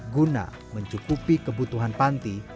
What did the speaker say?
guna mencukupi kebutuhan panti